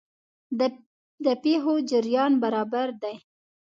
د پېښو جریان برابر دی.